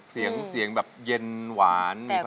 ขอให้โชคดีนะครับคุณกุ้ง